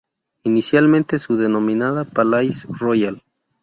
Inicialmente, se denominada "Palais Royal".